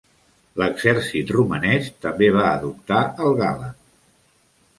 L'exèrcit romanès també va adoptar el Galand.